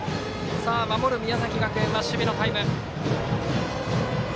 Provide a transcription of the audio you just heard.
守る宮崎学園は守備のタイム。